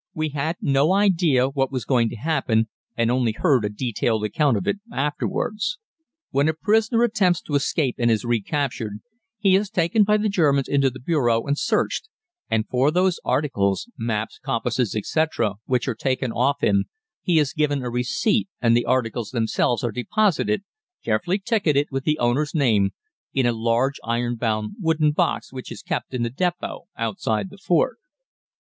We had no idea what was going to happen, and only heard a detailed account of it afterwards. When a prisoner attempts to escape and is recaptured, he is taken by the Germans into the bureau and searched, and for those articles maps, compasses, etc. which are taken off him he is given a receipt and the articles themselves are deposited, carefully ticketed with the owner's name, in a large iron bound wooden box which is kept in the depot outside the fort.